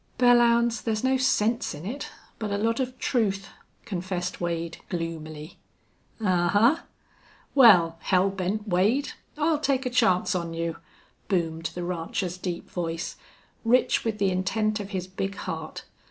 "Belllounds, there's no sense in it, but a lot of truth," confessed Wade, gloomily. "Ahuh!... Wal, Hell Bent Wade, I'll take a chance on you," boomed the rancher's deep voice, rich with the intent of his big heart.